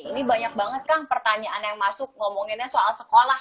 ini banyak banget kang pertanyaan yang masuk ngomonginnya soal sekolah